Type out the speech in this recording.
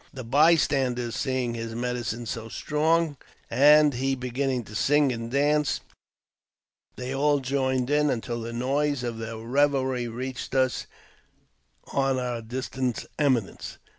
The by standers, seeing his medicine so strong, and he beginning to sing and dance, they all joined in, until the noise of their revelry reached us on our distant eminence.